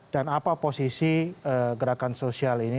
dan apapun posisi gerakan sosial ini